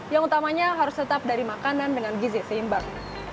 yang utamanya harus tetap dari makanan dengan gizi seimbang